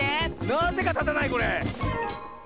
なぜかたたないこれ。